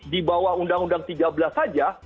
di bawah undang undang tiga belas saja